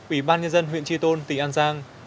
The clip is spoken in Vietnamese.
ủy ban nhân dân huyện tri tôn tỉnh an giang